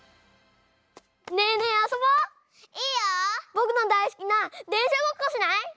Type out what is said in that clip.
ぼくのだいすきなでんしゃごっこしない？